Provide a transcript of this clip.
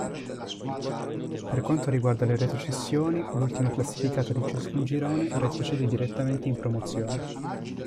Per quanto riguarda le retrocessioni, l'ultima classificata di ciascun girone retrocede direttamente in Promozione.